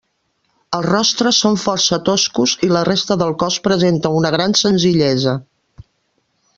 Els rostres són força toscos i la resta del cos presenta una gran senzillesa.